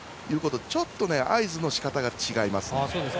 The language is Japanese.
ちょっと合図のしかたが違います。